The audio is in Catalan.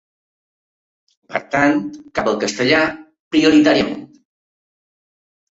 Per tant, cap al castellà prioritàriament.